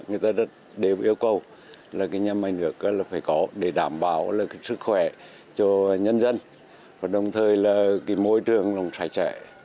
người ta đều yêu cầu là cái nhà máy nước phải có để đảm bảo sức khỏe cho nhân dân và đồng thời là cái môi trường sạch sẽ